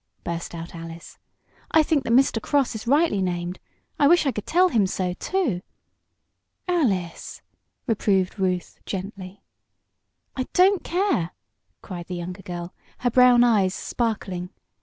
burst out Alice "I think that Mr. Cross is rightly named. I wish I could tell him so, too!" "Alice!" reproved Ruth, gently. "I don't care!" cried the younger girl, her brown eyes sparkling.